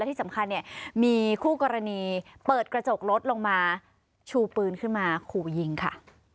ที่สำคัญเนี่ยมีคู่กรณีเปิดกระจกรถลงมาชูปืนขึ้นมาขู่ยิงค่ะ